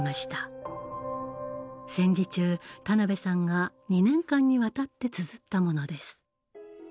戦時中田辺さんが２年間にわたってつづったものです。